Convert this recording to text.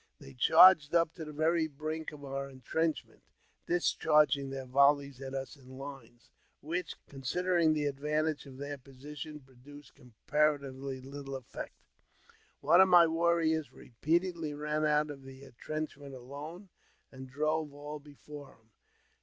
They charged up to the very brink of our entrenchment, discharging their volleys at ' us in lines, which, considering the advantage of their position, produced comparatively little effect. One of my warriors repeatedly ran out of the entrenchment alone, and drove all before him.